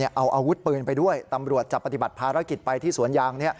เอาอาวุธปืนไปด้วยตำรวจจะปฏิบัติภารกิจไปที่สวนยาง